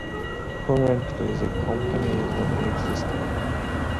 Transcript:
Currently, the company is not existent.